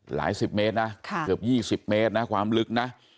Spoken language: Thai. หลายสิบเมตรนะเกือบ๒๐เมตรนะความลึกนะ